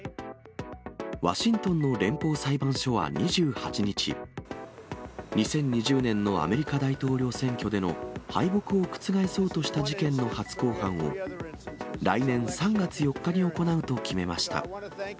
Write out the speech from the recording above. ワシントンの連邦裁判所は２８日、２０２０年のアメリカ大統領選挙での敗北を覆そうとした事件の初公判を、来年３月４日に行うと決めました。